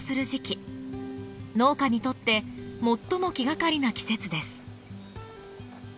農家にとって最も気がかりな季節です。